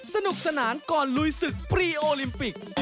สนุกสนานก่อนลุยศึกปรีโอลิมปิก